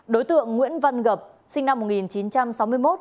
đối tượng nguyễn văn gập sinh năm một nghìn chín trăm sáu mươi một